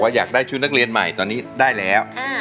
อยากได้ชุดนักเรียนใหม่ตอนนี้ได้แล้ว